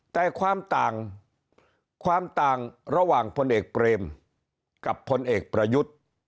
แต่ความต่างความต่างระหว่างพลเอกเปรมกับพลเอกประยุทธ์